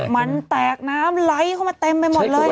มันแตกน้ำไหลเข้ามาเต็มไปหมดเลย